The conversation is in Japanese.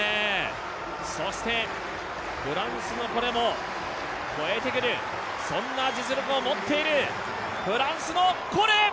そしてフランスのコレも越えてくる、そんな実力を持っている。